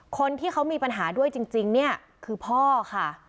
คนที่เขามีปัญหาด้วยจริงเนี่ยคือพ่อค่ะ